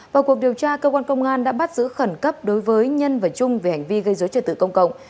vào cuộc điều tra công an tp hcm đã bắt giữ khẩn cấp đối với nhân và trung về hành vi gây dối trật tự công cộng